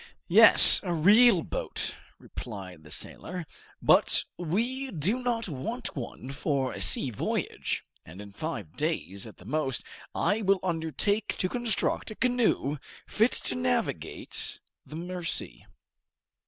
"Yes, a real boat," replied the sailor; "but we do not want one for a sea voyage, and in five days at the most, I will undertake to construct a canoe fit to navigate the Mercy."